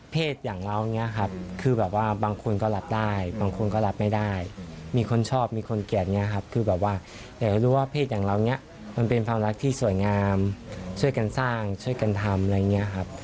อย่างเราอย่างนี้ครับคือแบบว่าบางคนก็รับได้บางคนก็รับไม่ได้มีคนชอบมีคนเกลียดอย่างนี้ครับคือแบบว่าอยากจะรู้ว่าเพศอย่างเราเนี่ยมันเป็นความรักที่สวยงามช่วยกันสร้างช่วยกันทำอะไรอย่างนี้ครับ